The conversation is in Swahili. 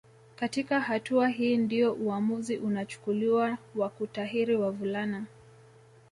katika hatua hii ndio uamuzi unachukuliwa wa kutahiri wavulana